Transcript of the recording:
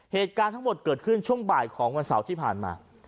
เหตุการณ์ทั้งหมดเกิดขึ้นช่วงบ่ายของวันเสาร์ที่ผ่านมา